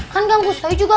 kan kang kusoi juga